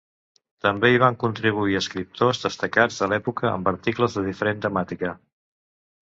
També hi van contribuir escriptors destacats de l’època amb articles de diferent temàtica.